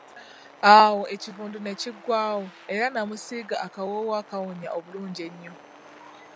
Awo ekivundu ne kigwawo, era namusiiga akawoowo akawunya obulungi ennyo.